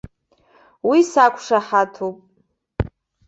Уи сақәшаҳаҭуп.